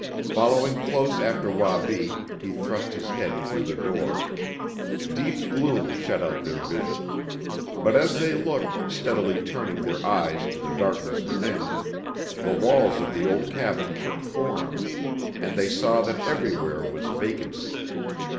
Following close after Wabi he thrust his head through the door. Deep gloom shut out their vision. But as they looked, steadily inuring their eyes to the darkness within, the walls of the old cabin took form, and they saw that everywhere was vacancy.